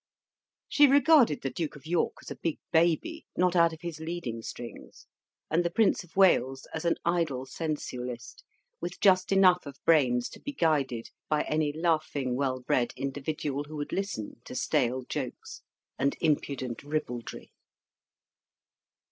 She regarded the Duke of York as a big baby, not out of his leading strings, and the Prince of Wales as an idle sensualist, with just enough of brains to be guided by any laughing, well bred individual who would listen to stale jokes and impudent ribaldry.